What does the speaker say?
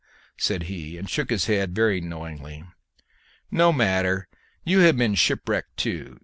said he, and shook his head very knowingly. "No matter; you have been shipwrecked too!